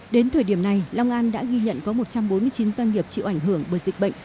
đến thời điểm này long an đã ghi nhận có một trăm bốn mươi chín doanh nghiệp chịu ảnh hưởng bởi dịch bệnh